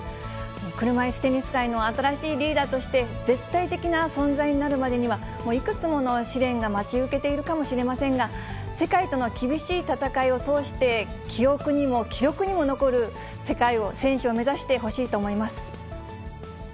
車いすテニス界の新しいリーダーとして、絶対的な存在になるまでには、もういくつもの試練が待ち受けているかもしれませんが、世界との厳しい戦いを通して、記憶にも記録にも残る選手を目指してほしいと思います。